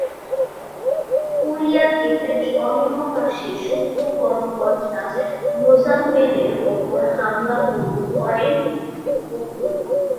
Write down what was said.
Courier গেটের অন্য পাশে শুল্ক কর্মকর্তা মোজাম্মেলের ওপর হামলা করেন ফখরুল।